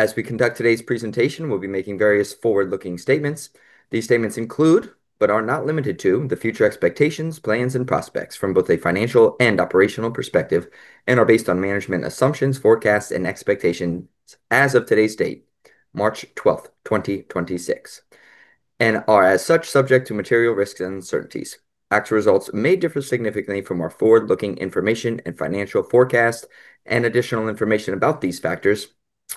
As we conduct today's presentation, we'll be making various forward-looking statements. These statements include, but are not limited to, the future expectations, plans, and prospects from both a financial and operational perspective, and are based on management assumptions, forecasts, and expectations as of today's date, March twelfth, 2026, and are as such subject to material risks and uncertainties. Actual results may differ significantly from our forward-looking information and financial forecast, and additional information about these factors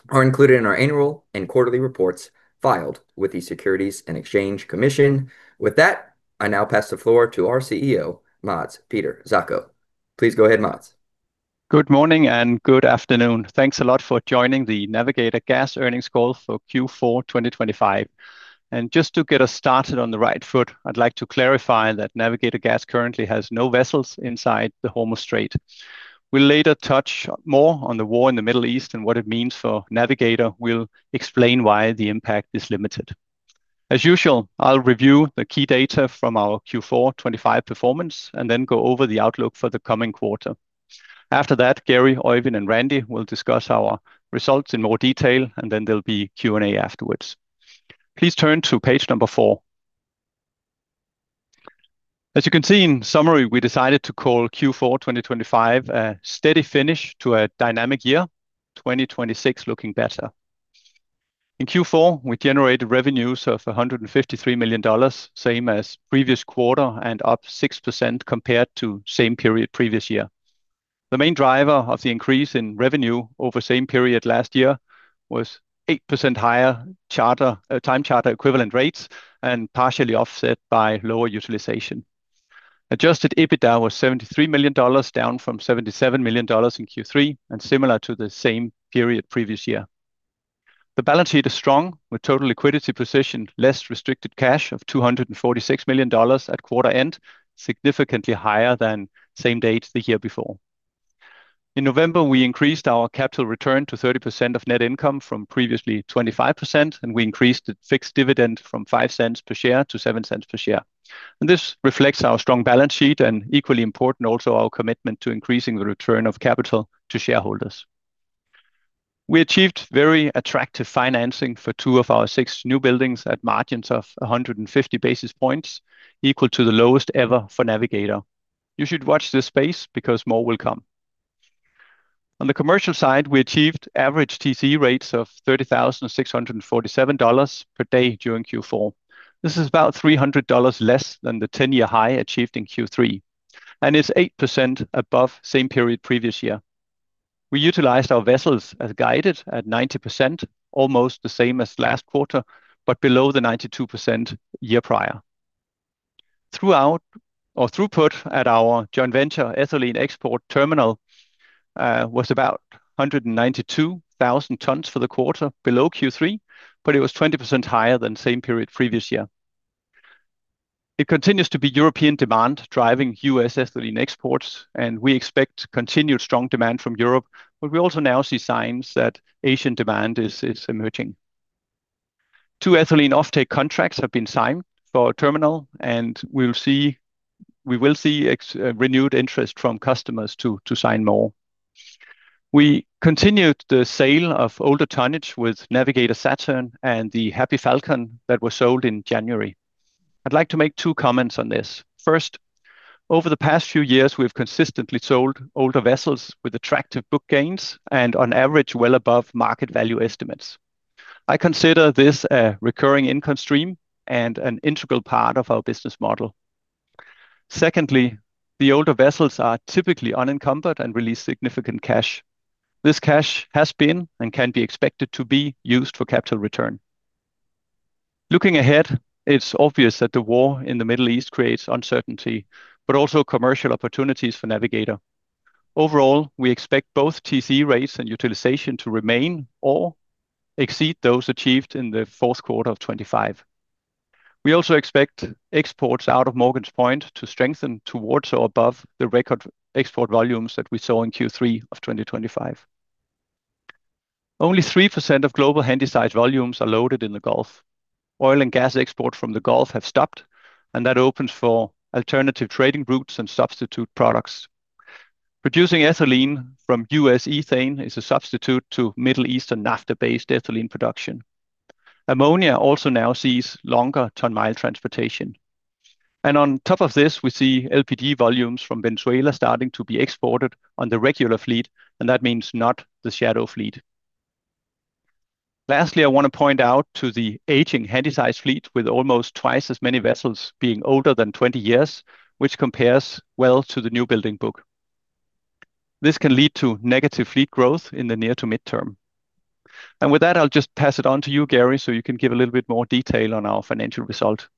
are included in our annual and quarterly reports filed with the Securities and Exchange Commission. With that, I now pass the floor to our CEO, Mads Peter Zacho. Please go ahead, Mads. Good morning and good afternoon. Thanks a lot for joining the Navigator Gas earnings call for Q4 2025. Just to get us started on the right foot, I'd like to clarify that Navigator Gas currently has no vessels inside the Hormuz Strait. We'll later touch more on the war in the Middle East and what it means for Navigator. We'll explain why the impact is limited. As usual, I'll review the key data from our Q4 2025 performance and then go over the outlook for the coming quarter. After that, Gary, Oeyvind, and Randy will discuss our results in more detail, and then there'll be Q&A afterwards. Please turn to page four. As you can see, in summary, we decided to call Q4 2025 a steady finish to a dynamic year, 2026 looking better. In Q4, we generated revenues of $153 million, same as previous quarter and up 6% compared to same period previous year. The main driver of the increase in revenue over same period last year was 8% higher charter time charter equivalent rates and partially offset by lower utilization. Adjusted EBITDA was $73 million, down from $77 million in Q3 and similar to the same period previous year. The balance sheet is strong, with total liquidity position less restricted cash of $246 million at quarter-end, significantly higher than same date the year before. In November, we increased our capital return to 30% of net income from previously 25%, and we increased the fixed dividend from $0.05 per share to $0.07 per share. This reflects our strong balance sheet and equally important also our commitment to increasing the return of capital to shareholders. We achieved very attractive financing for two of our six new buildings at margins of 150 basis points, equal to the lowest ever for Navigator. You should watch this space because more will come. On the commercial side, we achieved average TC rates of $30,647 per day during Q4. This is about $300 less than the ten-year high achieved in Q3 and is 8% above same period previous year. We utilized our vessels as guided at 90%, almost the same as last quarter, but below the 92% year prior. Throughput at our joint venture ethylene export terminal was about 192,000 tons for the quarter below Q3, but it was 20% higher than same period previous year. It continues to be European demand driving U.S. ethylene exports, and we expect continued strong demand from Europe, but we also now see signs that Asian demand is emerging. Two ethylene offtake contracts have been signed for our terminal, and we will see renewed interest from customers to sign more. We continued the sale of older tonnage with Navigator Saturn and the Happy Falcon that were sold in January. I'd like to make two comments on this. First, over the past few years, we've consistently sold older vessels with attractive book gains and on average, well above market value estimates. I consider this a recurring income stream and an integral part of our business model. Secondly, the older vessels are typically unencumbered and release significant cash. This cash has been and can be expected to be used for capital return. Looking ahead, it's obvious that the war in the Middle East creates uncertainty but also commercial opportunities for Navigator. Overall, we expect both TC rates and utilization to remain or exceed those achieved in the fourth quarter of 2025. We also expect exports out of Morgan's Point to strengthen towards or above the record export volumes that we saw in Q3 of 2025. Only 3% of global Handysize volumes are loaded in the Gulf. Oil and gas export from the Gulf have stopped, and that opens for alternative trading routes and substitute products. Producing ethylene from US ethane is a substitute to Middle Eastern naphtha-based ethylene production. Ammonia also now sees longer ton-mile transportation. On top of this, we see LPG volumes from Venezuela starting to be exported on the regular fleet, and that means not the shadow fleet. Lastly, I want to point out to the aging handysize fleet with almost twice as many vessels being older than 20 years, which compares well to the newbuilding book. This can lead to negative fleet growth in the near to midterm. With that, I'll just pass it on to you, Gary, so you can give a little bit more detail on our financial result.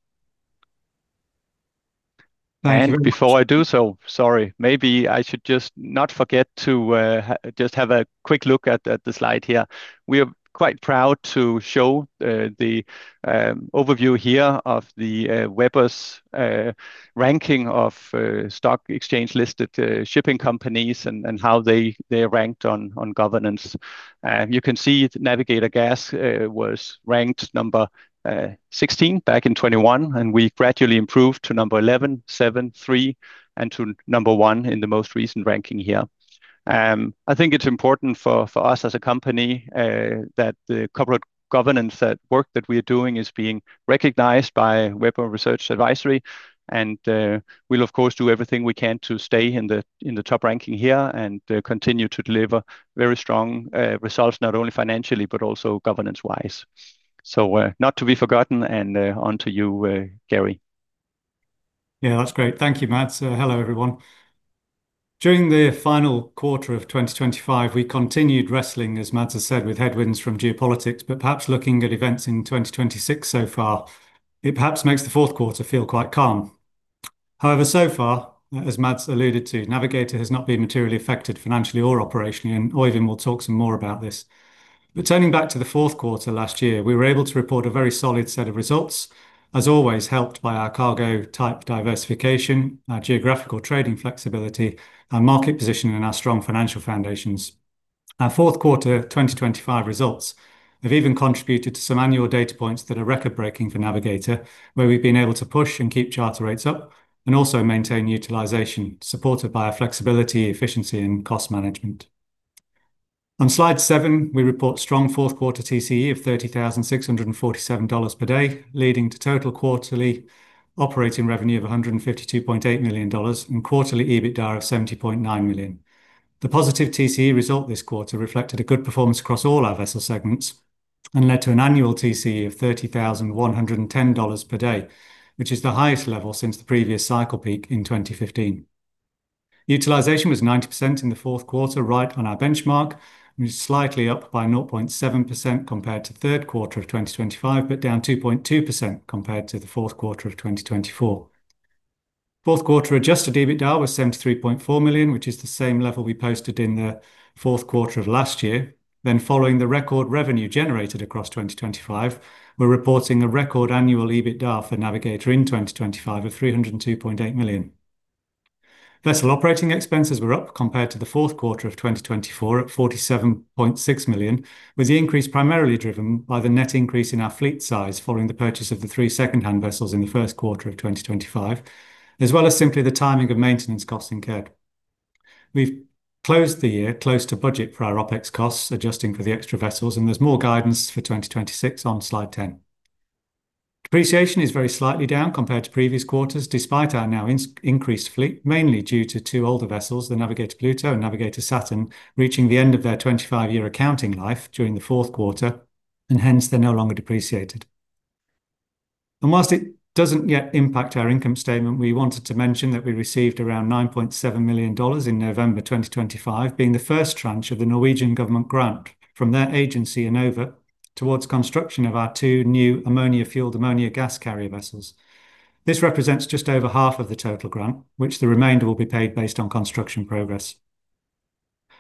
Thank you very much. Before I do so, sorry, maybe I should just not forget to just have a quick look at the slide here. We are quite proud to show the overview here of the Webber's ranking of stock exchange listed shipping companies and how they ranked on governance. You can see Navigator Gas was ranked number 16 back in 2021, and we gradually improved to number 11, seven, three, and to number one in the most recent ranking here. I think it's important for us as a company that the corporate governance work that we're doing is being recognized by Webber Research & Advisory. We'll of course do everything we can to stay in the top ranking here and continue to deliver very strong results, not only financially but also governance-wise. Not to be forgotten and on to you, Gary. Yeah, that's great. Thank you, Mads. Hello everyone. During the final quarter of 2025, we continued wrestling, as Mads has said, with headwinds from geopolitics. Perhaps looking at events in 2026 so far, it perhaps makes the fourth quarter feel quite calm. However, so far, as Mads alluded to, Navigator has not been materially affected financially or operationally, and Oeyvind will talk some more about this. Turning back to the fourth quarter last year, we were able to report a very solid set of results. As always, helped by our cargo type diversification, our geographical trading flexibility, our market position, and our strong financial foundations. Our fourth quarter 2025 results have even contributed to some annual data points that are record-breaking for Navigator, where we've been able to push and keep charter rates up and also maintain utilization, supported by our flexibility, efficiency, and cost management. On slide 7, we report strong fourth quarter TCE of $30,647 per day, leading to total quarterly operating revenue of $152.8 million and quarterly EBITDA of $70.9 million. The positive TCE result this quarter reflected a good performance across all our vessel segments and led to an annual TCE of $30,110 per day, which is the highest level since the previous cycle peak in 2015. Utilization was 90% in the fourth quarter, right on our benchmark, which is slightly up by 0.7% compared to the third quarter of 2025, but down 2.2% compared to the fourth quarter of 2024. Fourth quarter adjusted EBITDA was $73.4 million, which is the same level we posted in the fourth quarter of last year. Following the record revenue generated across 2025, we're reporting a record annual EBITDA for Navigator in 2025 of $302.8 million. Vessel operating expenses were up compared to the fourth quarter of 2024 at $47.6 million, with the increase primarily driven by the net increase in our fleet size following the purchase of the three secondhand vessels in the first quarter of 2025, as well as simply the timing of maintenance costs incurred. We've closed the year close to budget for our OpEx costs, adjusting for the extra vessels, and there's more guidance for 2026 on slide 10. Depreciation is very slightly down compared to previous quarters, despite our now increased fleet, mainly due to two older vessels, the Navigator Pluto and Navigator Saturn, reaching the end of their 25-year accounting life during the fourth quarter, and hence they're no longer depreciated. Whilst it doesn't yet impact our income statement, we wanted to mention that we received around $9.7 million in November 2025, being the first tranche of the Norwegian government grant from their agency, Enova, towards construction of our two new ammonia-fueled ammonia gas carrier vessels. This represents just over half of the total grant, which the remainder will be paid based on construction progress.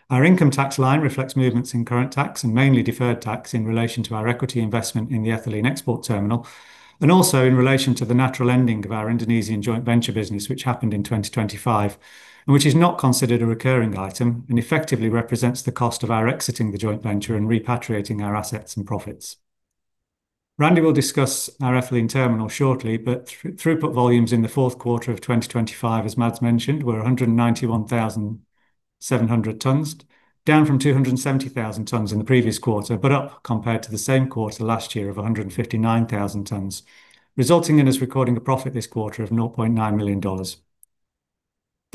Our income tax line reflects movements in current tax and mainly deferred tax in relation to our equity investment in the ethylene export terminal, and also in relation to the natural ending of our Indonesian joint venture business, which happened in 2025, and which is not considered a recurring item and effectively represents the cost of our exiting the joint venture and repatriating our assets and profits. Randy will discuss our ethylene terminal shortly, but throughput volumes in the fourth quarter of 2025, as Mads mentioned, were 191,700 tonnes, down from 270,000 tonnes in the previous quarter, but up compared to the same quarter last year of 159,000 tonnes, resulting in us recording a profit this quarter of $0.9 million.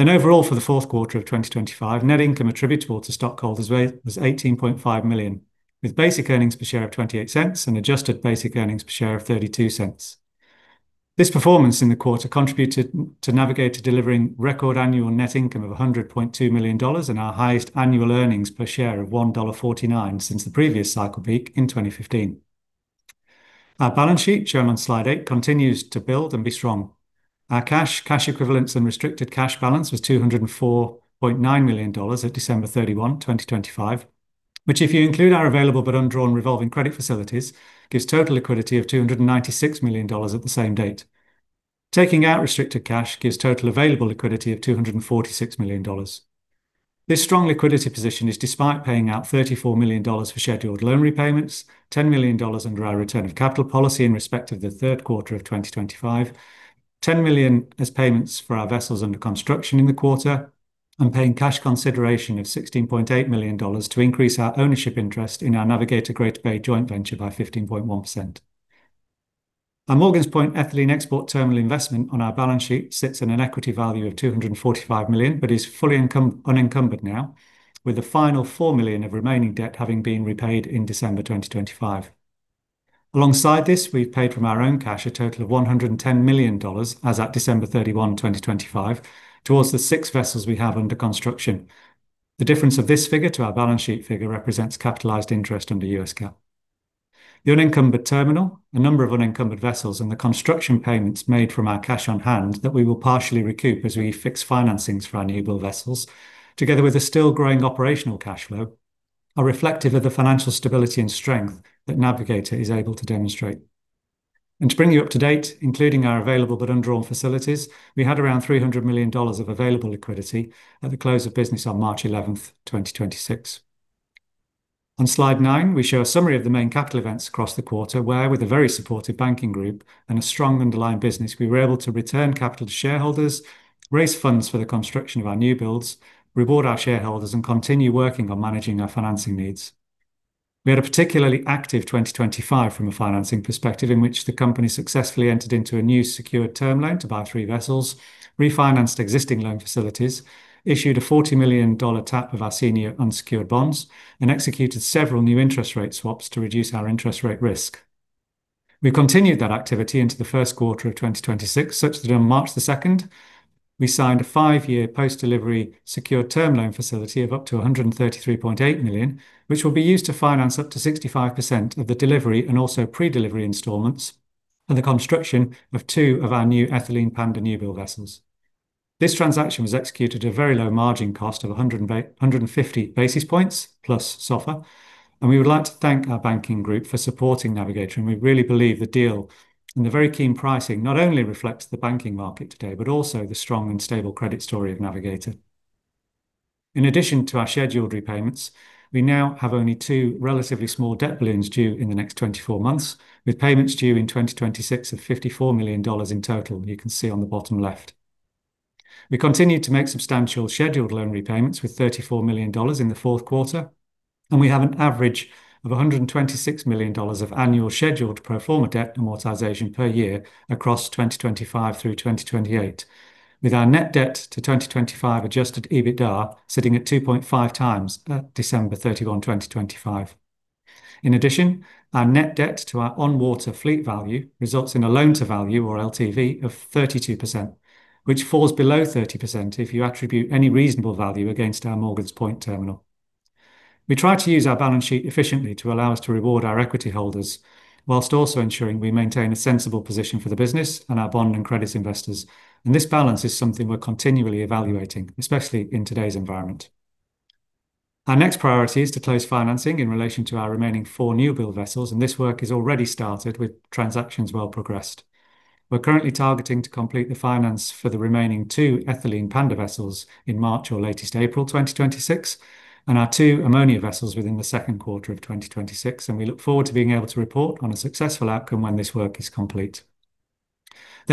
Overall, for the fourth quarter of 2025, net income attributable to stockholders was $18.5 million, with basic earnings per share of $0.28 and adjusted basic earnings per share of $0.32. This performance in the quarter contributed to Navigator delivering record annual net income of $100.2 million and our highest annual earnings per share of $1.49 since the previous cycle peak in 2015. Our balance sheet, shown on slide 8, continues to build and be strong. Our cash equivalents, and restricted cash balance was $204.9 million at December 31, 2025, which, if you include our available but undrawn revolving credit facilities, gives total liquidity of $296 million at the same date. Taking out restricted cash gives total available liquidity of $246 million. This strong liquidity position is despite paying out $34 million for scheduled loan repayments, $10 million under our return of capital policy in respect of the third quarter of 2025, $10 million as payments for our vessels under construction in the quarter, and paying cash consideration of $16.8 million to increase our ownership interest in our Navigator Greater Bay joint venture by 15.1%. Our Morgan's Point ethylene export terminal investment on our balance sheet sits at an equity value of $245 million but is fully unencumbered now, with the final $4 million of remaining debt having been repaid in December 2025. Alongside this, we've paid from our own cash a total of $110 million as at December 31, 2025 towards the six vessels we have under construction. The difference of this figure to our balance sheet figure represents capitalized interest under US GAAP. The unencumbered terminal, a number of unencumbered vessels, and the construction payments made from our cash on hand that we will partially recoup as we fix financings for our newbuild vessels, together with the still growing operational cash flow, are reflective of the financial stability and strength that Navigator is able to demonstrate. To bring you up to date, including our available but undrawn facilities, we had around $300 million of available liquidity at the close of business on March 11, 2026. On slide 9, we show a summary of the main capital events across the quarter where, with a very supportive banking group and a strong underlying business, we were able to return capital to shareholders, raise funds for the construction of our new builds, reward our shareholders, and continue working on managing our financing needs. We had a particularly active 2025 from a financing perspective, in which the company successfully entered into a new secured term loan to buy three vessels, refinanced existing loan facilities, issued a $40 million tap of our senior unsecured bonds, and executed several new interest rate swaps to reduce our interest rate risk. We continued that activity into the first quarter of 2026, such that on March 2, we signed a five-year post-delivery secured term loan facility of up to $133.8 million, which will be used to finance up to 65% of the delivery and also pre-delivery installments and the construction of two of our new Ethylene Panda new build vessels. This transaction was executed at a very low margin cost of 150 basis points plus SOFR. We would like to thank our banking group for supporting Navigator, and we really believe the deal and the very keen pricing not only reflects the banking market today, but also the strong and stable credit story of Navigator. In addition to our scheduled repayments, we now have only two relatively small debt balloons due in the next 24 months, with payments due in 2026 of $54 million in total that you can see on the bottom left. We continued to make substantial scheduled loan repayments with $34 million in the fourth quarter, and we have an average of $126 million of annual scheduled pro forma debt amortization per year across 2025 through 2028, with our net debt to 2025 adjusted EBITDA sitting at 2.5x at December 31, 2025. In addition, our net debt to our on-water fleet value results in a loan to value or LTV of 32%, which falls below 30% if you attribute any reasonable value against our Morgan's Point terminal. We try to use our balance sheet efficiently to allow us to reward our equity holders while also ensuring we maintain a sensible position for the business and our bond and credit investors. This balance is something we're continually evaluating, especially in today's environment. Our next priority is to close financing in relation to our remaining four new-build vessels, and this work is already started with transactions well progressed. We're currently targeting to complete the finance for the remaining two Ethylene Panda vessels in March or latest April 2026 and our two ammonia vessels within the second quarter of 2026. We look forward to being able to report on a successful outcome when this work is complete.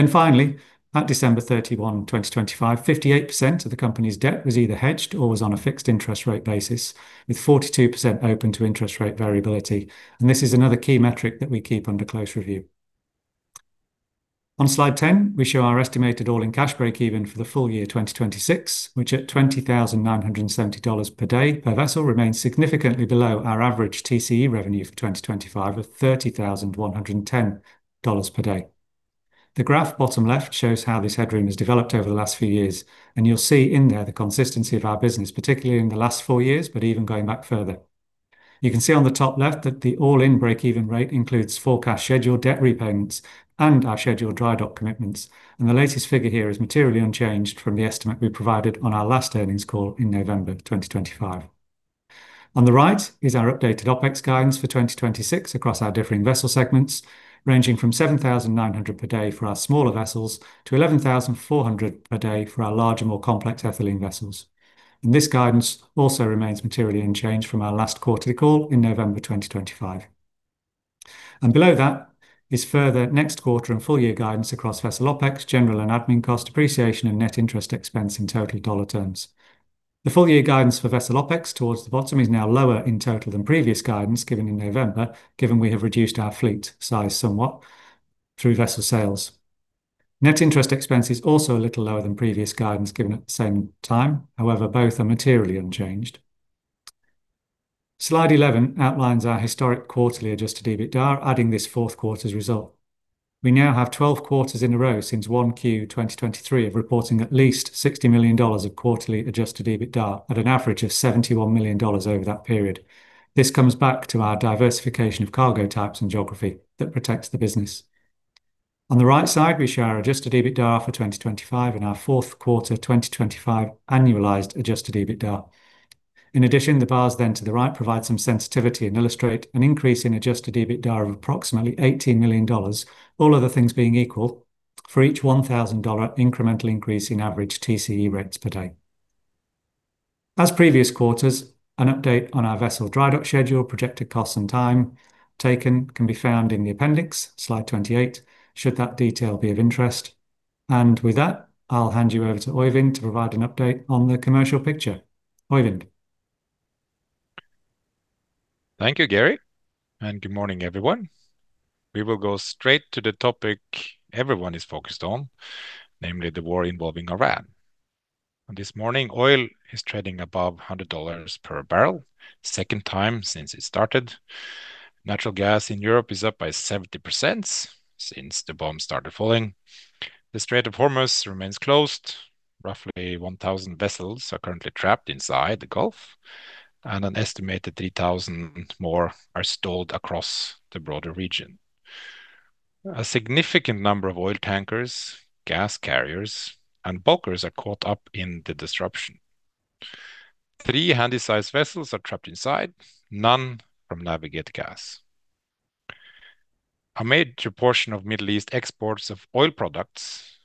Finally, at December 31, 2025, 58% of the company's debt was either hedged or was on a fixed interest rate basis, with 42% open to interest rate variability. This is another key metric that we keep under close review. On slide 10, we show our estimated all-in cash breakeven for the full year 2026, which at $20,970 per day per vessel remains significantly below our average TCE revenue for 2025 of $30,110 per day. The graph bottom left shows how this headroom has developed over the last few years, and you'll see in there the consistency of our business, particularly in the last four years, but even going back further. You can see on the top left that the all-in breakeven rate includes forecast scheduled debt repayments and our scheduled dry dock commitments. The latest figure here is materially unchanged from the estimate we provided on our last earnings call in November 2025. On the right is our updated OpEx guidance for 2026 across our differing vessel segments, ranging from $7,900 per day for our smaller vessels to $11,400 per day for our larger, more complex Ethylene vessels. This guidance also remains materially unchanged from our last quarterly call in November 2025. Below that is further next quarter and full year guidance across vessel OpEx, general and admin cost, depreciation and net interest expense in total dollar terms. The full year guidance for vessel OpEx towards the bottom is now lower in total than previous guidance given in November, given we have reduced our fleet size somewhat through vessel sales. Net interest expense is also a little lower than previous guidance given at the same time. However, both are materially unchanged. Slide 11 outlines our historic quarterly adjusted EBITDA, adding this fourth quarter's result. We now have 12 quarters in a row since 1Q 2023 of reporting at least $60 million of quarterly adjusted EBITDA at an average of $71 million over that period. This comes back to our diversification of cargo types and geography that protects the business. On the right side, we show our adjusted EBITDA for 2025 and our fourth quarter 2025 annualized adjusted EBITDA. In addition, the bars then to the right provide some sensitivity and illustrate an increase in adjusted EBITDA of approximately $18 million, all other things being equal, for each $1,000 incremental increase in average TCE rates per day. As in previous quarters, an update on our vessel dry dock schedule, projected costs and time taken can be found in the appendix, slide 28, should that detail be of interest. With that, I'll hand you over to Oeyvind to provide an update on the commercial picture. Oeyvind? Thank you, Gary, and good morning, everyone. We will go straight to the topic everyone is focused on, namely the war involving Iran. This morning, oil is trading above $100 per barrel, second time since it started. Natural gas in Europe is up by 70% since the bombs started falling. The Strait of Hormuz remains closed. Roughly 1,000 vessels are currently trapped inside the Gulf, and an estimated 3,000 more are stalled across the broader region. A significant number of oil tankers, gas carriers, and bulkers are caught up in the disruption. Three handysize vessels are trapped inside, none from Navigator Gas. A major portion of Middle East exports of oil products,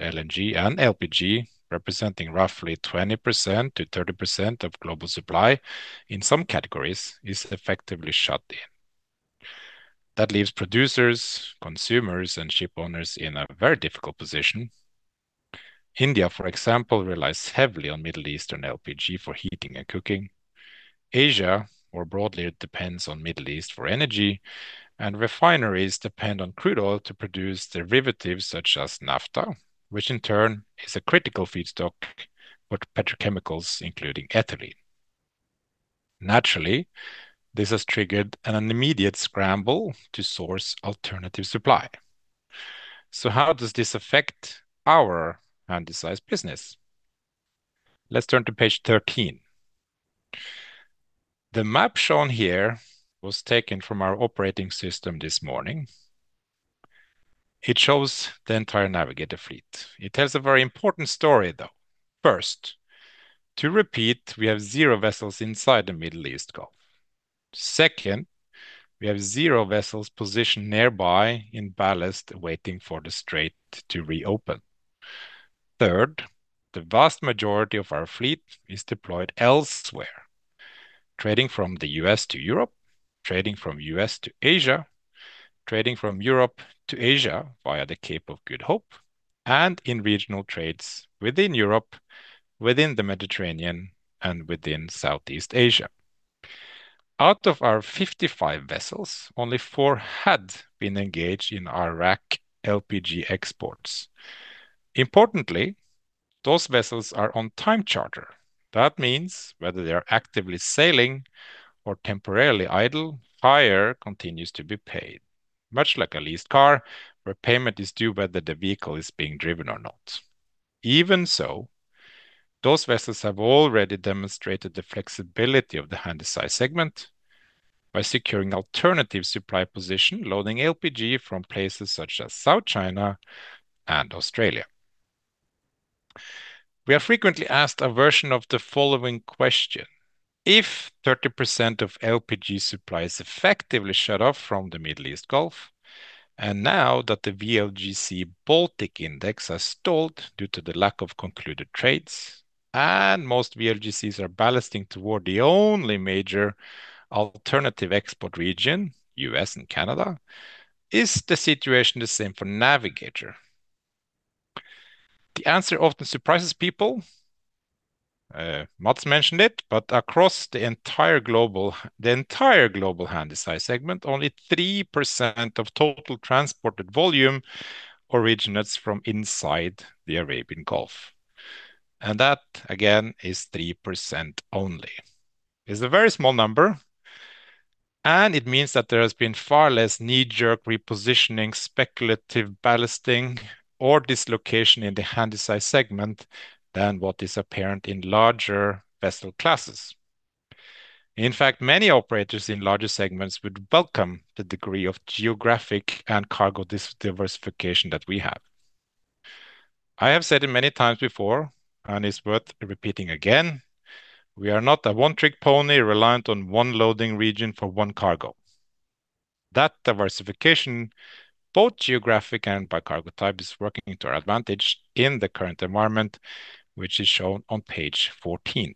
LNG and LPG, representing roughly 20%-30% of global supply in some categories is effectively shut in. That leaves producers, consumers, and shipowners in a very difficult position. India, for example, relies heavily on Middle Eastern LPG for heating and cooking. Asia, more broadly, it depends on Middle East for energy, and refineries depend on crude oil to produce derivatives such as naphtha, which in turn is a critical feedstock for petrochemicals, including ethylene. Naturally, this has triggered an immediate scramble to source alternative supply. How does this affect our Handysize business? Let's turn to page 13. The map shown here was taken from our operating system this morning. It shows the entire Navigator fleet. It has a very important story, though. First, to repeat, we have zero vessels inside the Middle East Gulf. Second, we have zero vessels positioned nearby in ballast, waiting for the Strait to reopen. Third, the vast majority of our fleet is deployed elsewhere, trading from the U.S. to Europe, trading from U.S. to Asia, trading from Europe to Asia via the Cape of Good Hope, and in regional trades within Europe, within the Mediterranean, and within Southeast Asia. Out of our 55 vessels, only four had been engaged in Iraq LPG exports. Importantly, those vessels are on time charter. That means whether they are actively sailing or temporarily idle, hire continues to be paid, much like a leased car where payment is due whether the vehicle is being driven or not. Even so, those vessels have already demonstrated the flexibility of the handysize segment by securing alternative supply position, loading LPG from places such as South China and Australia. We are frequently asked a version of the following question. If 30% of LPG supply is effectively shut off from the Middle East Gulf, and now that the VLGC Baltic Index has stalled due to the lack of concluded trades, and most VLGCs are ballasting toward the only major alternative export region, US and Canada, is the situation the same for Navigator? The answer often surprises people. Mads mentioned it, but across the entire global handysize segment, only 3% of total transported volume originates from inside the Arabian Gulf, and that again is 3% only. It's a very small number, and it means that there has been far less knee-jerk repositioning, speculative ballasting, or dislocation in the handysize segment than what is apparent in larger vessel classes. In fact, many operators in larger segments would welcome the degree of geographic and cargo diversification that we have. I have said it many times before, and it's worth repeating again, we are not a one-trick pony reliant on one loading region for one cargo. That diversification, both geographic and by cargo type, is working to our advantage in the current environment, which is shown on page 14.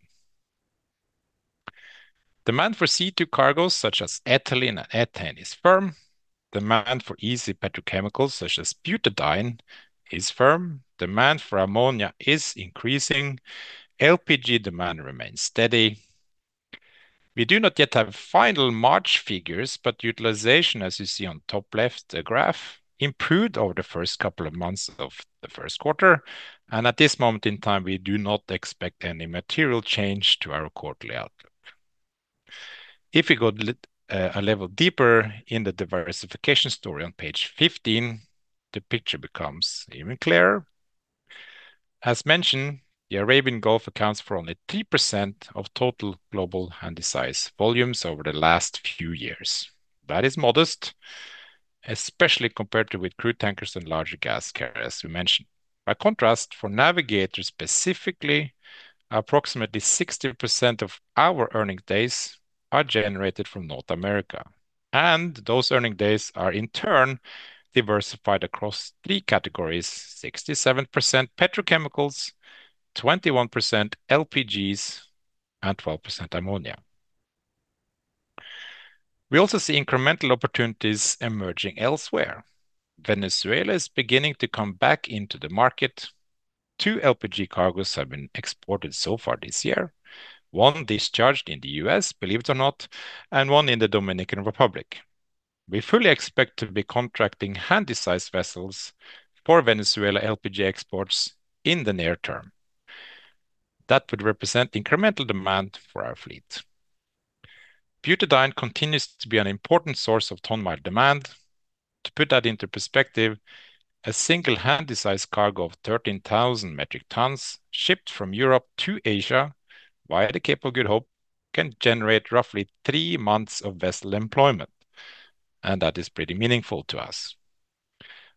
Demand for C2 cargoes such as ethylene and ethane is firm. Demand for easy petrochemicals such as butadiene is firm. Demand for ammonia is increasing. LPG demand remains steady. We do not yet have final March figures, but utilization, as you see on top left graph, improved over the first couple of months of the first quarter. At this moment in time, we do not expect any material change to our quarterly outlook. If we go a level deeper in the diversification story on page 15, the picture becomes even clearer. As mentioned, the Arabian Gulf accounts for only 3% of total global Handysize volumes over the last few years. That is modest, especially compared with crude tankers and larger gas carriers, as we mentioned. By contrast, for Navigator specifically, approximately 60% of our earning days are generated from North America, and those earning days are in turn diversified across three categories, 67% petrochemicals, 21% LPGs, and 12% ammonia. We also see incremental opportunities emerging elsewhere. Venezuela is beginning to come back into the market. Two LPG cargoes have been exported so far this year, one discharged in the U.S., believe it or not, and one in the Dominican Republic. We fully expect to be contracting Handysize vessels for Venezuela LPG exports in the near term. That would represent incremental demand for our fleet. Butadiene continues to be an important source of ton-mile demand. To put that into perspective, a single Handysize cargo of 13,000 metric tons shipped from Europe to Asia via the Cape of Good Hope can generate roughly three months of vessel employment, and that is pretty meaningful to us.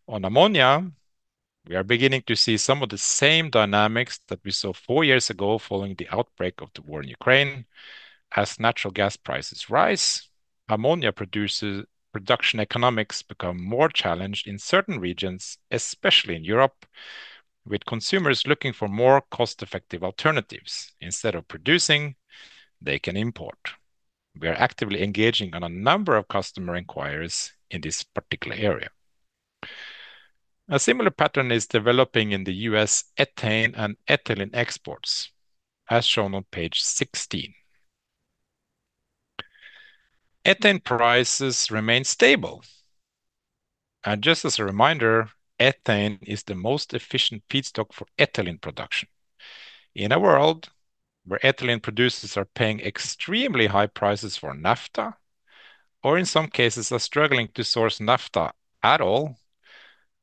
On ammonia, we are beginning to see some of the same dynamics that we saw four years ago following the outbreak of the war in Ukraine. As natural gas prices rise, ammonia production economics become more challenged in certain regions, especially in Europe, with consumers looking for more cost-effective alternatives. Instead of producing, they can import. We are actively engaging on a number of customer inquiries in this particular area. A similar pattern is developing in the U.S. ethane and ethylene exports, as shown on page 16. Ethane prices remain stable. Just as a reminder, ethane is the most efficient feedstock for ethylene production. In a world where ethylene producers are paying extremely high prices for naphtha, or in some cases are struggling to source naphtha at all,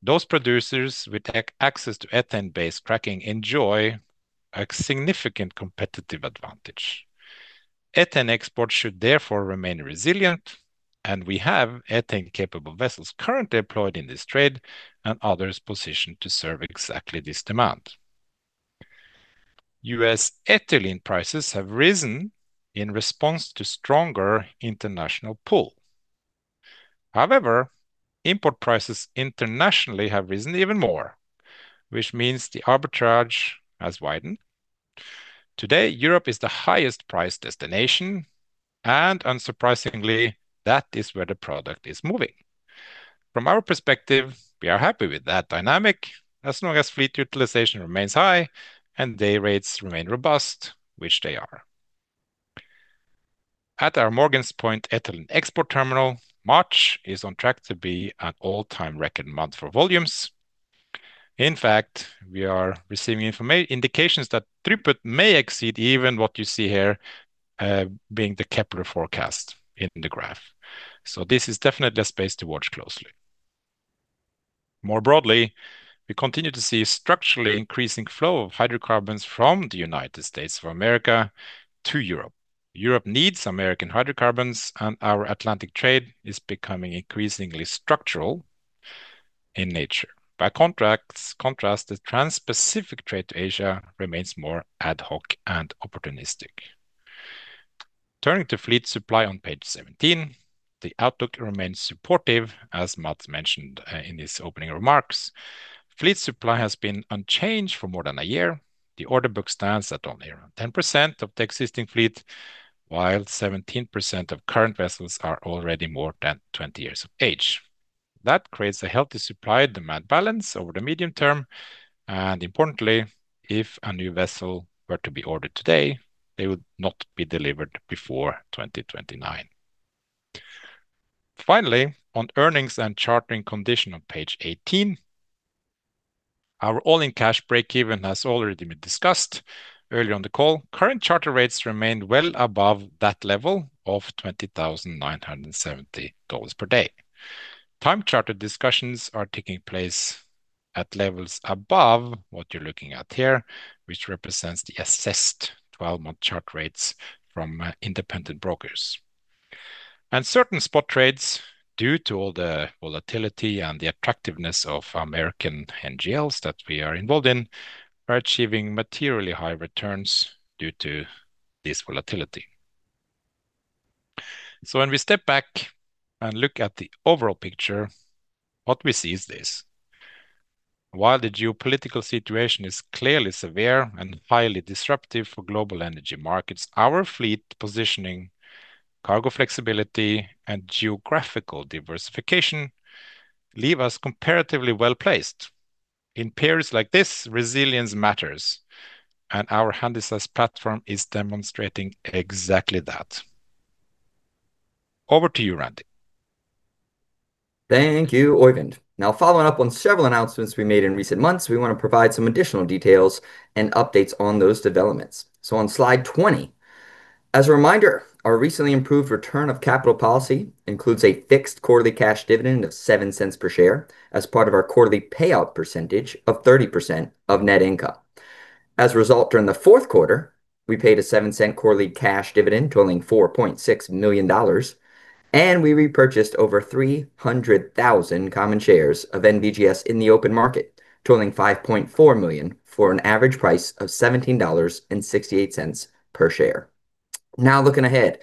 those producers with access to ethane-based cracking enjoy a significant competitive advantage. Ethane exports should therefore remain resilient, and we have ethane-capable vessels currently employed in this trade and others positioned to serve exactly this demand. U.S. ethylene prices have risen in response to stronger international pull. However, import prices internationally have risen even more, which means the arbitrage has widened. Today, Europe is the highest price destination, and unsurprisingly, that is where the product is moving. From our perspective, we are happy with that dynamic as long as fleet utilization remains high and day rates remain robust, which they are. At our Morgan's Point ethylene export terminal, March is on track to be an all-time record month for volumes. In fact, we are receiving indications that throughput may exceed even what you see here, being the Kpler forecast in the graph. This is definitely a space to watch closely. More broadly, we continue to see structurally increasing flow of hydrocarbons from the United States of America to Europe. Europe needs American hydrocarbons, and our Atlantic trade is becoming increasingly structural in nature. By contrast, the Trans-Pacific trade to Asia remains more ad hoc and opportunistic. Turning to fleet supply on page 17, the outlook remains supportive, as Mads mentioned, in his opening remarks. Fleet supply has been unchanged for more than a year. The order book stands at only around 10% of the existing fleet, while 17% of current vessels are already more than 20 years of age. That creates a healthy supply-demand balance over the medium term, and importantly, if a new vessel were to be ordered today, they would not be delivered before 2029. Finally, on earnings and chartering condition on page 18, our all-in cash break-even has already been discussed earlier on the call. Current charter rates remain well above that level of $20,970 per day. Time charter discussions are taking place at levels above what you're looking at here, which represents the assessed 12-month charter rates from independent brokers. Certain spot trades, due to all the volatility and the attractiveness of American NGLs that we are involved in, are achieving materially high returns due to this volatility. When we step back and look at the overall picture, what we see is this. While the geopolitical situation is clearly severe and highly disruptive for global energy markets, our fleet positioning, cargo flexibility, and geographical diversification leave us comparatively well-placed. In periods like this, resilience matters, and our Handysize platform is demonstrating exactly that. Over to you, Randy. Thank you, Oeyvind. Now, following up on several announcements we made in recent months, we wanna provide some additional details and updates on those developments. On slide 20, as a reminder, our recently improved return of capital policy includes a fixed quarterly cash dividend of $0.07 per share as part of our quarterly payout percentage of 30% of net income. As a result, during the fourth quarter, we paid a $0.07 quarterly cash dividend totaling $4.6 million, and we repurchased over 300,000 common shares of NVGS in the open market, totaling $5.4 million for an average price of $17.68 per share. Now looking ahead,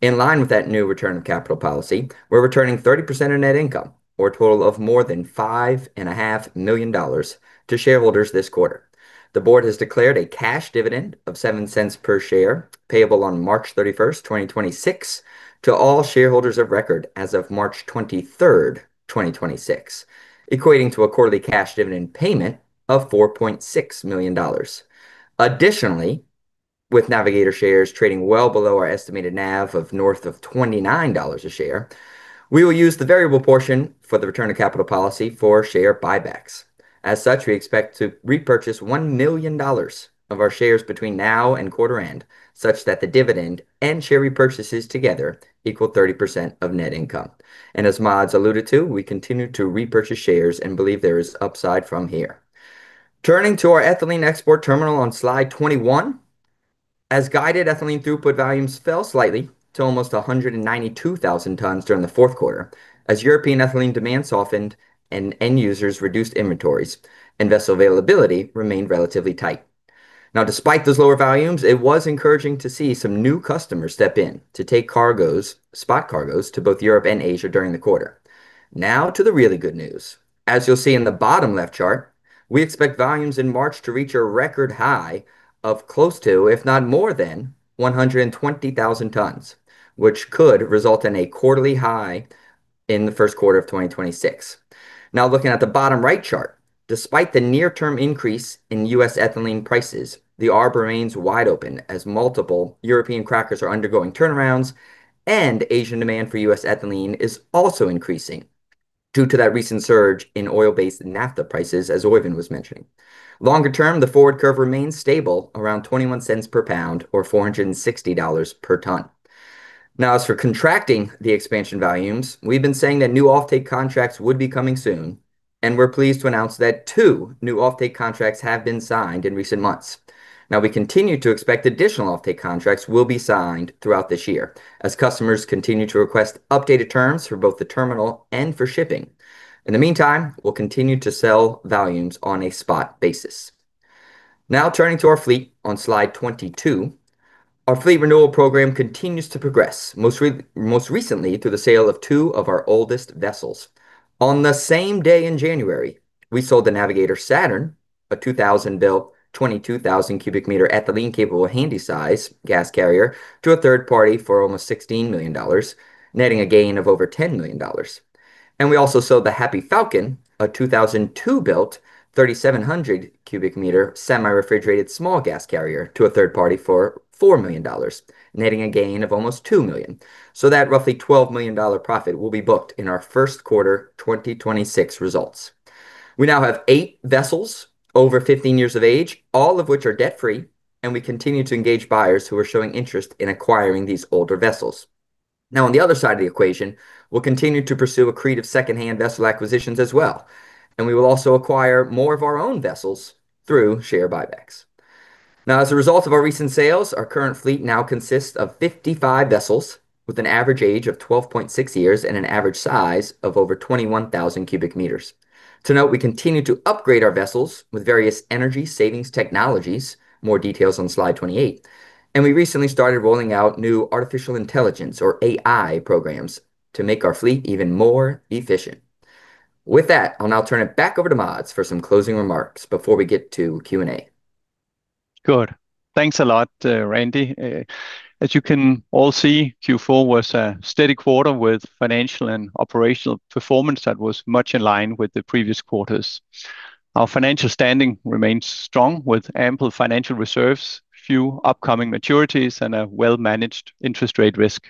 in line with that new return of capital policy, we're returning 30% of net income or a total of more than $5.5 million to shareholders this quarter. The board has declared a cash dividend of $0.07 per share payable on March 31, 2026, to all shareholders of record as of March 23, 2026, equating to a quarterly cash dividend payment of $4.6 million. Additionally, with Navigator shares trading well below our estimated NAV of north of $29 a share, we will use the variable portion for the return of capital policy for share buybacks. As such, we expect to repurchase $1 million of our shares between now and quarter end, such that the dividend and share repurchases together equal 30% of net income. As Mads alluded to, we continue to repurchase shares and believe there is upside from here. Turning to our ethylene export terminal on slide 21. As guided, ethylene throughput volumes fell slightly to almost 192,000 tons during the fourth quarter as European ethylene demand softened and end users reduced inventories and vessel availability remained relatively tight. Now despite those lower volumes, it was encouraging to see some new customers step in to take cargoes, spot cargoes to both Europe and Asia during the quarter. Now to the really good news. As you'll see in the bottom left chart, we expect volumes in March to reach a record high of close to, if not more than, 120,000 tons, which could result in a quarterly high in the first quarter of 2026. Now looking at the bottom right chart, despite the near term increase in U.S. ethylene prices, the arb remains wide open as multiple European crackers are undergoing turnarounds and Asian demand for U.S. ethylene is also increasing due to that recent surge in oil-based naphtha prices, as Oeyvind was mentioning. Longer term, the forward curve remains stable around $0.21 per pound or $460 per ton. Now as for contracting the expansion volumes, we've been saying that new offtake contracts would be coming soon, and we're pleased to announce that two new offtake contracts have been signed in recent months. Now we continue to expect additional offtake contracts will be signed throughout this year as customers continue to request updated terms for both the terminal and for shipping. In the meantime, we'll continue to sell volumes on a spot basis. Now turning to our fleet on slide 22. Our fleet renewal program continues to progress, most recently through the sale of two of our oldest vessels. On the same day in January, we sold the Navigator Saturn, a 2000 built, 22,000 cubic meter ethylene-capable handysize gas carrier to a third party for almost $16 million, netting a gain of over $10 million. We also sold the Happy Falcon, a 2002 built, 3,700 cubic meter semi-refrigerated small gas carrier to a third party for $4 million, netting a gain of almost $2 million. That roughly $12 million profit will be booked in our first quarter 2026 results. We now have 8 vessels over 15 years of age, all of which are debt-free, and we continue to engage buyers who are showing interest in acquiring these older vessels. Now on the other side of the equation, we'll continue to pursue accretive second-hand vessel acquisitions as well, and we will also acquire more of our own vessels through share buybacks. Now as a result of our recent sales, our current fleet now consists of 55 vessels with an average age of 12.6 years and an average size of over 21,000 cubic meters. To note, we continue to upgrade our vessels with various energy savings technologies. More details on slide 28. We recently started rolling out new artificial intelligence or AI programs to make our fleet even more efficient. With that, I'll now turn it back over to Mads for some closing remarks before we get to Q&A. Good. Thanks a lot, Randy. As you can all see, Q4 was a steady quarter with financial and operational performance that was much in line with the previous quarters. Our financial standing remains strong with ample financial reserves, few upcoming maturities and a well-managed interest rate risk.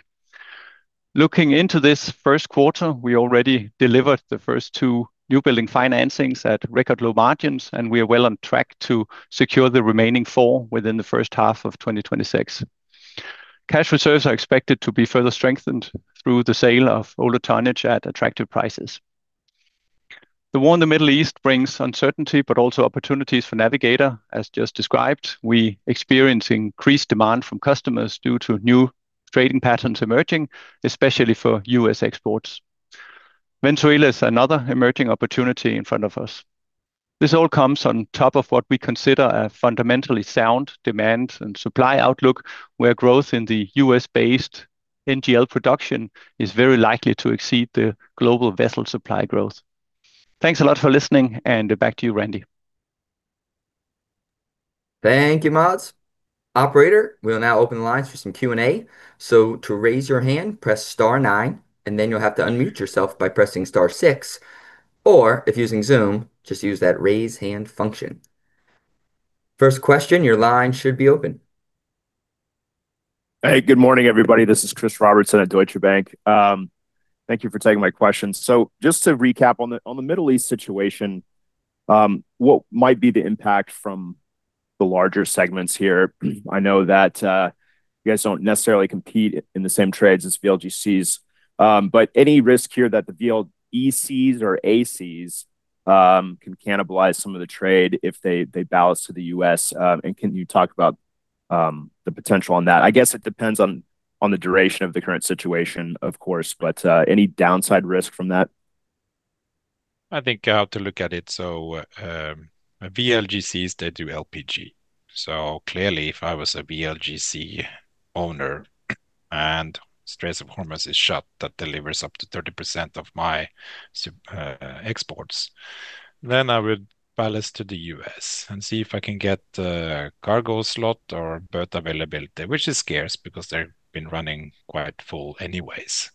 Looking into this first quarter, we already delivered the first two new building financings at record low margins, and we are well on track to secure the remaining within the first half of 2026. Cash reserves are expected to be further strengthened through the sale of older tonnage at attractive prices. The war in the Middle East brings uncertainty, but also opportunities for Navigator, as just described. We experience increased demand from customers due to new trading patterns emerging, especially for U.S. exports. Venezuela is another emerging opportunity in front of us. This all comes on top of what we consider a fundamentally sound demand and supply outlook, where growth in the U.S.-based NGL production is very likely to exceed the global vessel supply growth. Thanks a lot for listening, and back to you, Randy. Thank you, Mads. Operator, we'll now open the lines for some Q&A. To raise your hand, press star nine, and then you'll have to unmute yourself by pressing star six. Or if using Zoom, just use that Raise Hand function. First question, your line should be open. Hey, good morning, everybody. This is Chris Robertson at Deutsche Bank. Thank you for taking my questions. Just to recap on the Middle East situation, what might be the impact from the larger segments here? I know that you guys don't necessarily compete in the same trades as VLGCs, but any risk here that the VLECs or ACs can cannibalize some of the trade if they ballast to the US? Can you talk about the potential on that? I guess it depends on the duration of the current situation, of course, but any downside risk from that? I think how to look at it. VLGCs, they do LPG. Clearly, if I was a VLGC owner and Strait of Hormuz is shut, that delivers up to 30% of my exports, then I would ballast to the U.S. and see if I can get a cargo slot or berth availability, which is scarce because they've been running quite full anyways.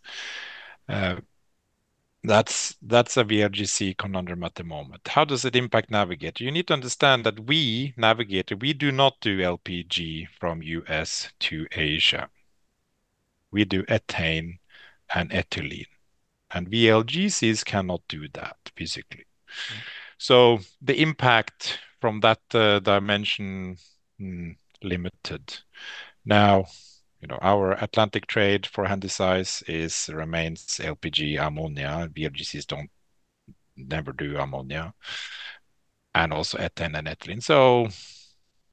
That's a VLGC conundrum at the moment. How does it impact Navigator? You need to understand that we, Navigator, we do not do LPG from U.S. to Asia. We do ethane and ethylene, and VLGCs cannot do that physically. The impact from that dimension limited. You know, our Atlantic trade for Handysize remains LPG, ammonia. VLGCs never do ammonia and also ethane and ethylene.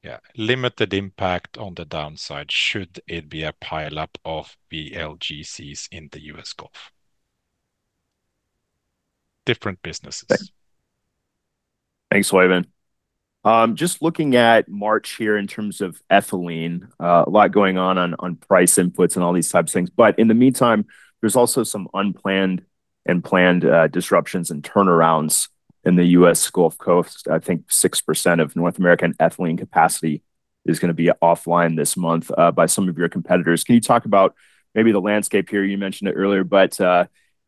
Yeah, limited impact on the downside should it be a pile up of VLGCs in the U.S. Gulf. Different businesses. Thanks, Oeyvind. Just looking at March here in terms of ethylene, a lot going on on price inputs and all these types of things. There's also some unplanned and planned disruptions and turnarounds in the U.S. Gulf Coast. I think 6% of North American ethylene capacity is gonna be offline this month by some of your competitors. Can you talk about maybe the landscape here? You mentioned it earlier.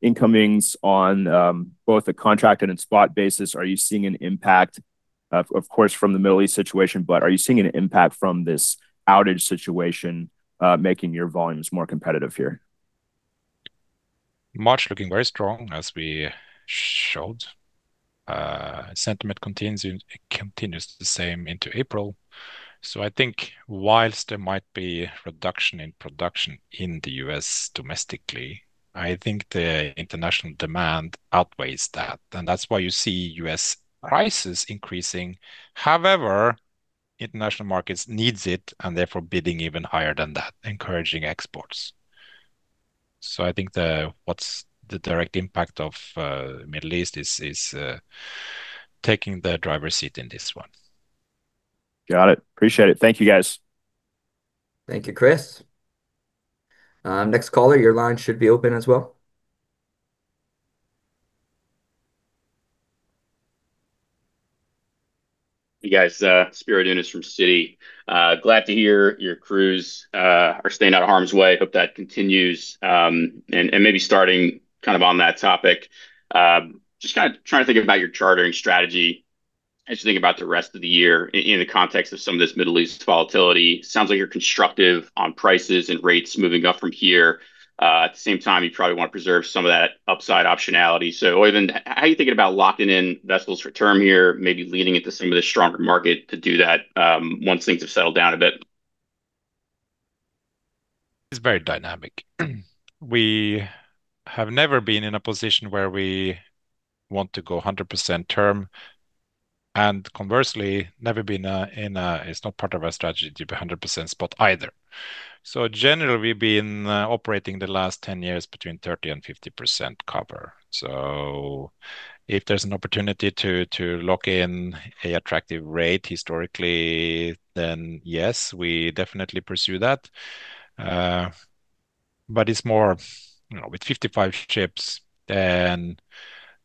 Inquiries on both a contract and in spot basis, are you seeing an impact of course from the Middle East situation? Are you seeing an impact from this outage situation making your volumes more competitive here? March looking very strong as we showed. Sentiment continues the same into April. I think while there might be reduction in production in the U.S. domestically, I think the international demand outweighs that. That's why you see U.S. prices increasing. However, international markets needs it, and therefore bidding even higher than that, encouraging exports. I think what's the direct impact of Middle East taking the driver's seat in this one. Got it. Appreciate it. Thank you, guys. Thank you, Chris. Next caller, your line should be open as well. Hey, guys, Spiro Dounis from Citi. Glad to hear your crews are staying out of harm's way. Hope that continues. And maybe starting kind of on that topic, just kinda trying to think about your chartering strategy as you think about the rest of the year in the context of some of this Middle East volatility. Sounds like you're constructive on prices and rates moving up from here. At the same time, you probably wanna preserve some of that upside optionality. Oeyvind, how are you thinking about locking in vessels for term here, maybe leaning into some of the stronger market to do that, once things have settled down a bit? It's very dynamic. We have never been in a position where we want to go 100% term, and conversely, never been, it's not part of our strategy to be a 100% spot either. Generally, we've been operating the last 10 years between 30%-50% cover. If there's an opportunity to lock in an attractive rate historically, then yes, we definitely pursue that. But it's more, you know, with 55 ships, then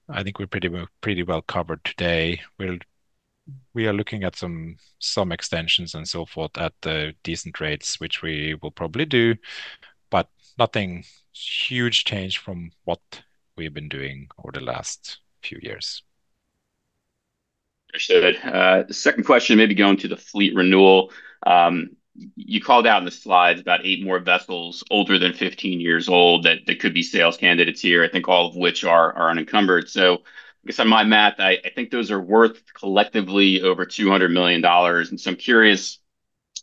I think we're pretty well covered today. We are looking at some extensions and so forth at the decent rates, which we will probably do, but no huge change from what we've been doing over the last few years. Understood. Second question, maybe going to the fleet renewal. You called out in the slides about 8 more vessels older than 15 years old that could be sales candidates here, I think all of which are unencumbered. Based on my math, I think those are worth collectively over $200 million. I'm curious,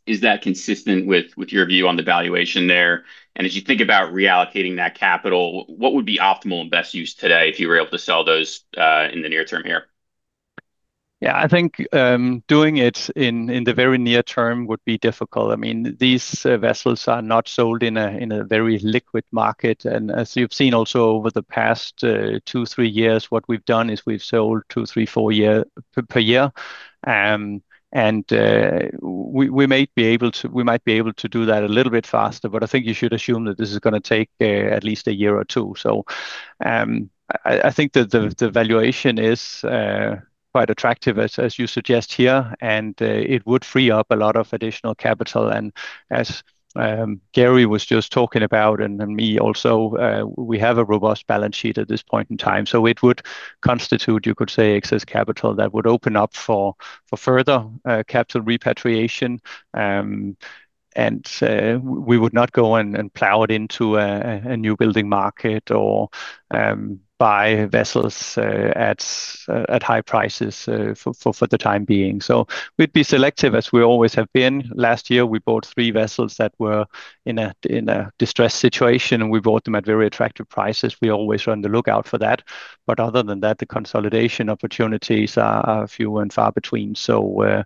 is that consistent with your view on the valuation there? As you think about reallocating that capital, what would be optimal and best use today if you were able to sell those in the near term here? Yeah, I think doing it in the very near term would be difficult. I mean, these vessels are not sold in a very liquid market. As you've seen also over the past two, three years, what we've done is we've sold two, three, four per year. We might be able to do that a little bit faster, but I think you should assume that this is gonna take at least a year or two. I think that the valuation is quite attractive as you suggest here, and it would free up a lot of additional capital. As Gary was just talking about and me also, we have a robust balance sheet at this point in time. It would constitute, you could say, excess capital that would open up for further capital repatriation. We would not go and plow it into a new building market or buy vessels at high prices for the time being. We'd be selective as we always have been. Last year, we bought three vessels that were in a distressed situation, and we bought them at very attractive prices. We always are on the lookout for that. Other than that, the consolidation opportunities are few and far between. I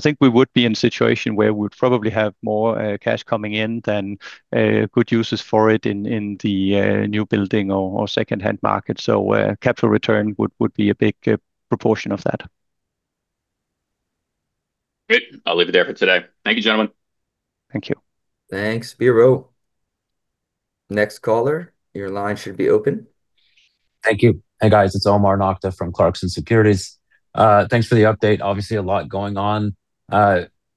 think we would be in a situation where we'd probably have more cash coming in than good uses for it in the new building or second-hand market. Capital return would be a big proportion of that. Great. I'll leave it there for today. Thank you, gentlemen. Thank you. Thanks, Spiro. Next caller, your line should be open. Thank you. Hey, guys, it's Omar Nokta from Clarksons Securities. Thanks for the update. Obviously, a lot going on.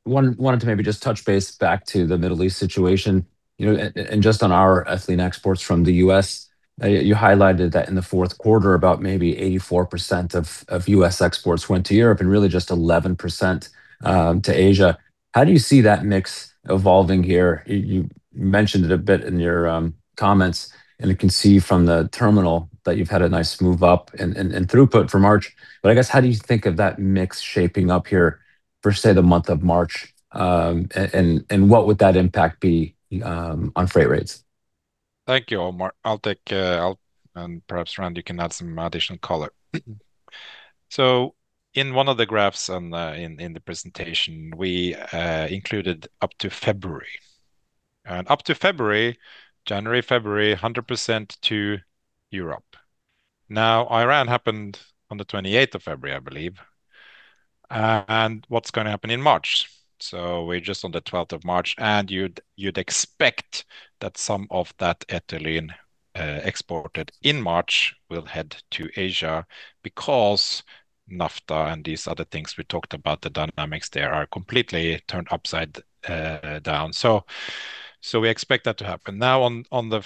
Wanted to maybe just touch base back to the Middle East situation, you know. Just on our ethylene exports from the U.S., you highlighted that in the fourth quarter, about maybe 84% of U.S. exports went to Europe and really just 11% to Asia. How do you see that mix evolving here? You mentioned it a bit in your comments, and you can see from the terminal that you've had a nice move up and throughput for March. I guess, how do you think of that mix shaping up here for, say, the month of March? What would that impact be on freight rates? Thank you, Omar. I'll take... Perhaps, Randy, you can add some additional color. In one of the graphs on, in the presentation, we included up to February. Up to February, January, February, 100% to Europe. Now, Iran happened on the 28th of February, I believe. What's gonna happen in March? We're just on the 12th of March, and you'd expect that some of that ethylene exported in March will head to Asia because naphtha and these other things we talked about, the dynamics there are completely turned upside down. We expect that to happen. Now, on the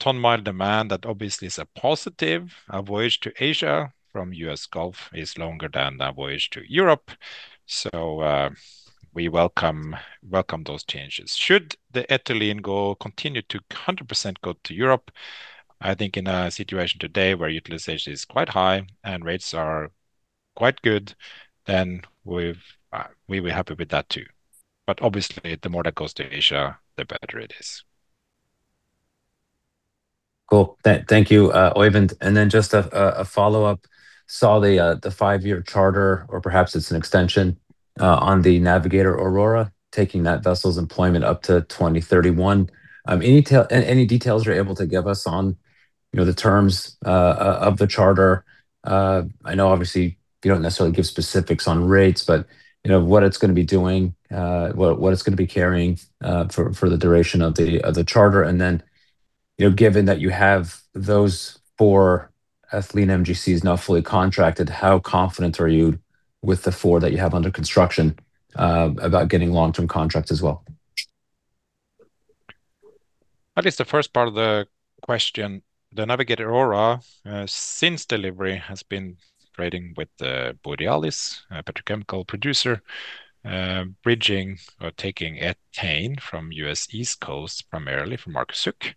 ton-mile demand, that obviously is a positive. A voyage to Asia from U.S. Gulf is longer than a voyage to Europe, we welcome those changes. Should the ethylene go. Continue to 100% go to Europe. I think in a situation today where utilization is quite high and rates are quite good, then we'll be happy with that too. Obviously, the more that goes to Asia, the better it is. Cool. Thank you, Oeyvind. Then just a follow-up. Saw the five-year charter, or perhaps it's an extension, on the Navigator Aurora, taking that vessel's employment up to 2031. Any details you're able to give us on, you know, the terms of the charter? I know obviously you don't necessarily give specifics on rates, but, you know, what it's gonna be doing, what it's gonna be carrying, for the duration of the charter. Then, you know, given that you have those four ethylene MGCs now fully contracted, how confident are you with the four that you have under construction, about getting long-term contracts as well? At least the first part of the question, the Navigator Aurora, since delivery, has been trading with the Borealis, a petrochemical producer, bridging or taking ethane from U.S. East Coast, primarily from Marcus Hook,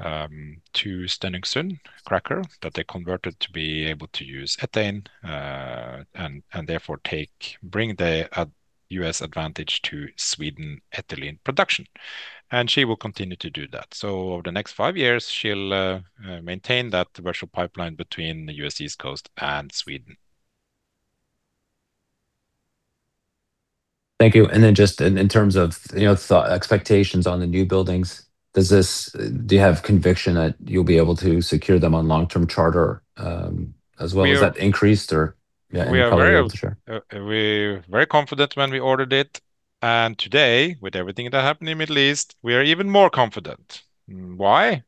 to Stenungsund cracker that they converted to be able to use ethane, and therefore bring the U.S. advantage to Sweden ethylene production. She will continue to do that. Over the next five years, she'll maintain that virtual pipeline between the U.S. East Coast and Sweden. Thank you. Just in terms of, you know, expectations on the new buildings, do you have conviction that you'll be able to secure them on long-term charter, as well? We are- Is that increased or? We are very- Yeah, you probably want to share. We're very confident when we ordered it, and today, with everything that happened in Middle East, we are even more confident. Why?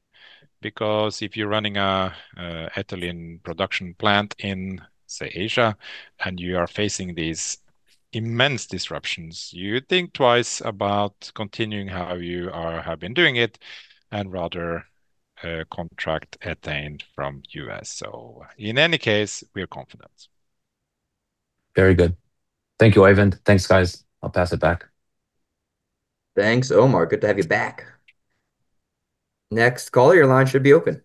Because if you're running a ethylene production plant in, say, Asia, and you are facing these immense disruptions, you think twice about continuing how you have been doing it, and rather, contract ethane from U.S. In any case, we are confident. Very good. Thank you, Oeyvind. Thanks, guys. I'll pass it back. Thanks, Omar. Good to have you back. Next caller, your line should be open.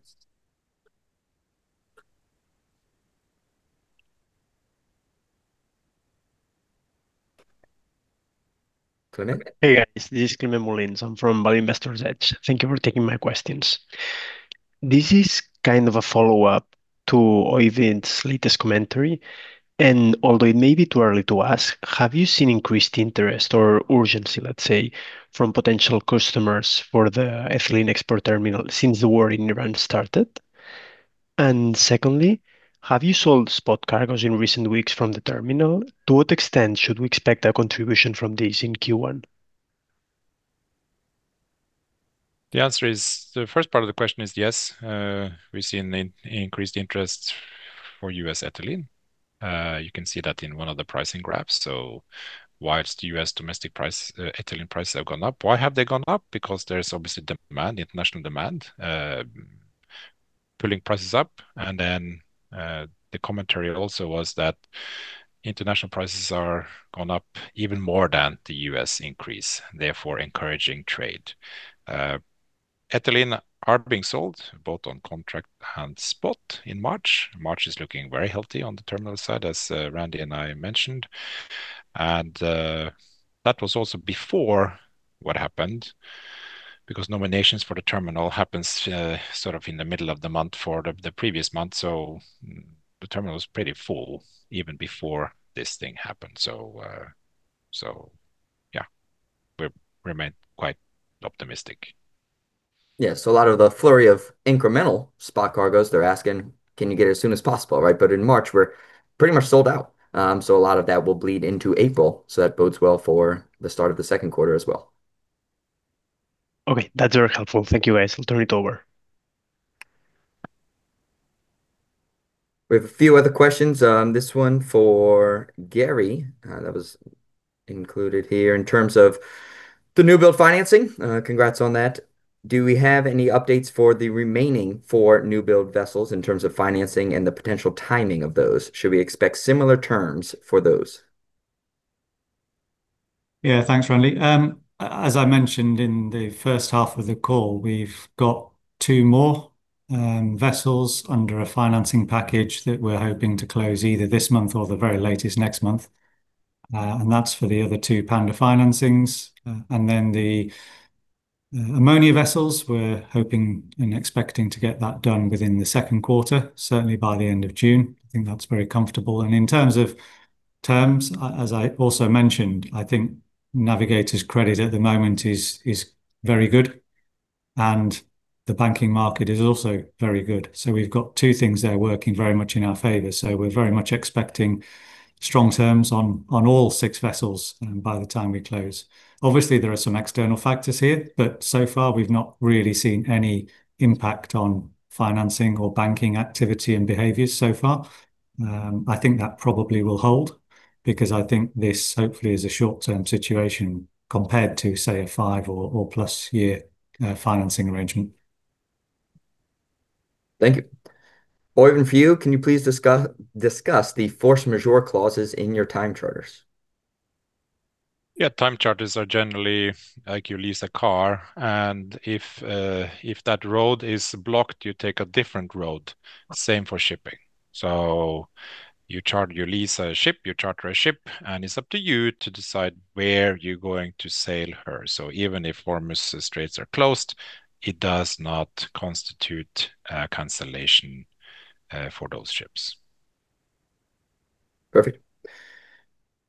Clement? Hey, guys. This is Clement Mullins. I'm from Value Investors Edge. Thank you for taking my questions. This is kind of a follow-up to Oeyvind's latest commentary, and although it may be too early to ask, have you seen increased interest or urgency, let's say, from potential customers for the ethylene export terminal since the war in Iran started? And secondly, have you sold spot cargos in recent weeks from the terminal? To what extent should we expect a contribution from this in Q1? The answer is. The first part of the question is yes. We've seen increased interest for U.S. ethylene. You can see that in one of the pricing graphs. While U.S. domestic price, ethylene prices have gone up. Why have they gone up? Because there's obviously demand, international demand, pulling prices up, and then, the commentary also was that international prices are gone up even more than the U.S. increase, therefore encouraging trade. Ethylene are being sold both on contract and spot in March. March is looking very healthy on the terminal side, as Randy and I mentioned. That was also before what happened, because nominations for the terminal happens, sort of in the middle of the month for the previous month. The terminal was pretty full even before this thing happened. Yeah, we remain quite optimistic. Yeah. A lot of the flurry of incremental spot cargos, they're asking, "Can you get it as soon as possible?" Right? In March, we're pretty much sold out. A lot of that will bleed into April, so that bodes well for the start of the second quarter as well. Okay. That's very helpful. Thank you, guys. I'll turn it over. We have a few other questions. This one for Gary, that was included here. In terms of the new build financing, congrats on that. Do we have any updates for the remaining four new build vessels in terms of financing and the potential timing of those? Should we expect similar terms for those? Yeah. Thanks, Randy. As I mentioned in the first half of the call, we've got two more vessels under a financing package that we're hoping to close either this month or the very latest next month. That's for the other two Panda financings. The ammonia vessels, we're hoping and expecting to get that done within the second quarter, certainly by the end of June. I think that's very comfortable. In terms of terms, as I also mentioned, I think Navigator's credit at the moment is very good, and the banking market is also very good. We've got two things there working very much in our favor. We're very much expecting strong terms on all six vessels by the time we close. Obviously, there are some external factors here, but so far we've not really seen any impact on financing or banking activity and behaviors so far. I think that probably will hold because I think this hopefully is a short-term situation compared to, say, a five or plus year financing arrangement. Thank you. Oeyvind, for you, can you please discuss the force majeure clauses in your time charters? Time charters are generally like you lease a car, and if that road is blocked, you take a different road. Same for shipping. You lease a ship, you charter a ship, and it's up to you to decide where you're going to sail her. Even if Hormuz Straits are closed, it does not constitute cancellation for those ships. Perfect.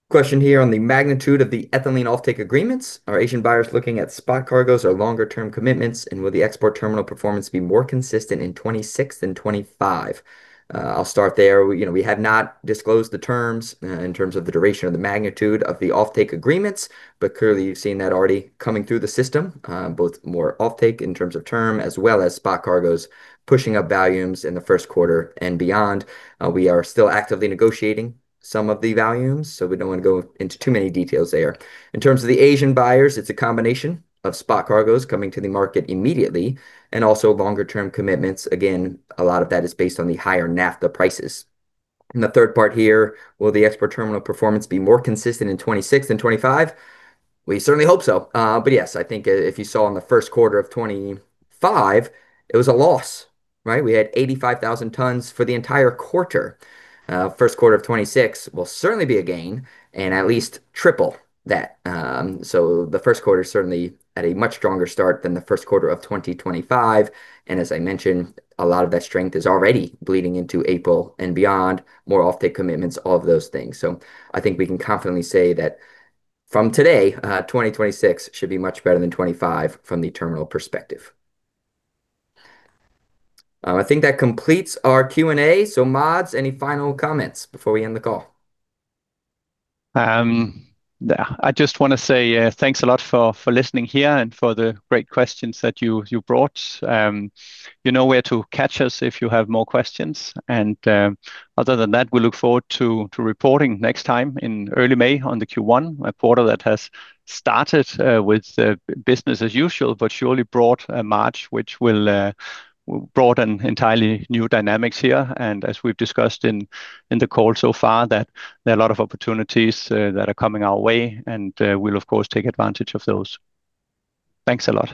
Question here on the magnitude of the ethylene offtake agreements. Are Asian buyers looking at spot cargos or longer term commitments, and will the export terminal performance be more consistent in 2026 than 2025? I'll start there. We, you know, we have not disclosed the terms in terms of the duration or the magnitude of the offtake agreements, but clearly you've seen that already coming through the system, both more offtake in terms of term as well as spot cargos pushing up volumes in the first quarter and beyond. We are still actively negotiating some of the volumes, so we don't want to go into too many details there. In terms of the Asian buyers, it's a combination of spot cargos coming to the market immediately and also longer term commitments. Again, a lot of that is based on the higher naphtha prices. The third part here, will the export terminal performance be more consistent in 2026 than 2025? We certainly hope so. But yes, I think if you saw on the first quarter of 2025, it was a loss, right? We had 85,000 tons for the entire quarter. First quarter of 2026 will certainly be a gain and at least triple that. The first quarter certainly at a much stronger start than the first quarter of 2025. As I mentioned, a lot of that strength is already bleeding into April and beyond, more offtake commitments, all of those things. I think we can confidently say that from today, 2026 should be much better than 2025 from the terminal perspective. I think that completes our Q&A. Mads, any final comments before we end the call? I just wanna say, thanks a lot for listening here and for the great questions that you brought. You know where to catch us if you have more questions. Other than that, we look forward to reporting next time in early May on the Q1, a quarter that has started with business as usual, but surely brought March, which brought an entirely new dynamics here. As we've discussed in the call so far, that there are a lot of opportunities that are coming our way, and we'll of course take advantage of those. Thanks a lot.